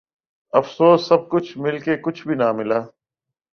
افسوس سب کچھ مل کے کچھ بھی ناں ملا